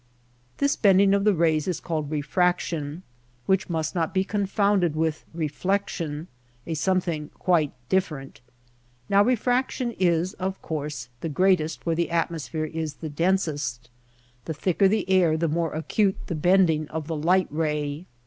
This bending of the rays is called refraction, which must not be confounded with reflection — a some thing quite different. Now refraction is, of course, the greatest where the atmosphere is the densest. The thicker the air the more acute the bending of the light ray.